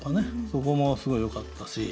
そこもすごいよかったし